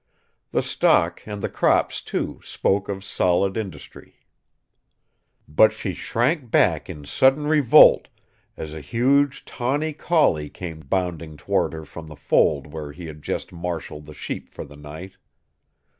The stock and the crops, too, spoke of solid industry. But she shrank back in sudden revolt as a huge tawny collie came bounding toward her from the fold where he had just marshaled the sheep for the night.